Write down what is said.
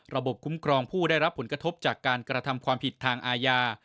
คุ้มครองผู้ได้รับผลกระทบจากการกระทำความผิดทางอาญา